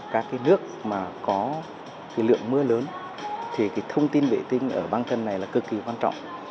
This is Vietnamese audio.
các nước có lượng mưa lớn thì thông tin vệ tinh ở băng tần này là cực kỳ quan trọng